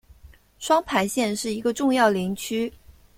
双牌县是一个重要林区。